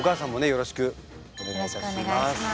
よろしくお願いします。